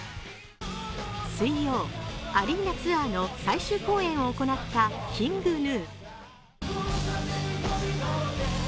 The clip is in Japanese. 水曜、アリーナツアーの最終公演を行ったＫｉｎｇＧｎｕ。